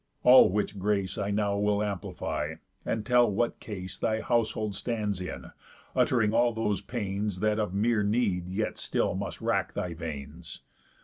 All which grace I now will amplify, and tell what case Thy household stands in, utt'ring all those pains That of mere need yet still must wrack thy veins.